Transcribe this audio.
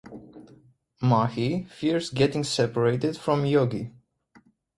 Mahi fears getting "separated" from Jogi.